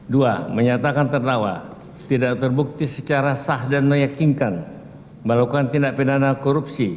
dua menyatakan terdakwa tidak terbukti secara sah dan meyakinkan melakukan tindak pidana korupsi